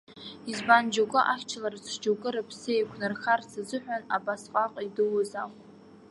Избан, џьоукы ахьчаларц, џьоукы рыԥсы еиқәнархарц азыҳәан, абасҟак идууз ахә.